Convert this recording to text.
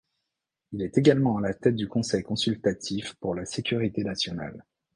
Il est également à la tête du Conseil consultatif pour la sécurité nationale.